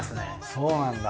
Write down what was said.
そうなんだ。